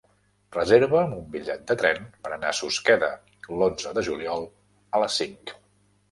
Reserva'm un bitllet de tren per anar a Susqueda l'onze de juliol a les cinc.